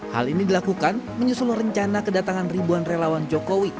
hal ini dilakukan menyusul rencana kedatangan ribuan relawan jokowi